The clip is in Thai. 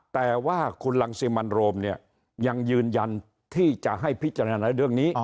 แต่ว่าคุณรังสิมันโรมเนี่ยยังยืนยันที่จะให้พิจารณาเรื่องนี้